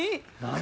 何？